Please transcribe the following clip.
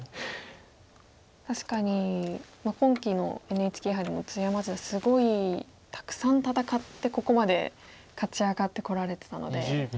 確かに今期のＮＨＫ杯でも鶴山八段すごいたくさん戦ってここまで勝ち上がってこられてたので。